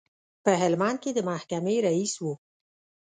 په هلمند کې د محکمې رئیس و.